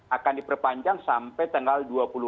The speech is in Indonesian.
akan diperpanjang sampai tanggal dua puluh